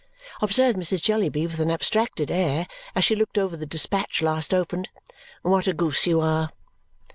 observed Mrs. Jellyby with an abstracted air as she looked over the dispatch last opened; "what a goose you are!"